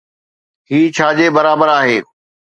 هي ڇا جي برابر آهي؟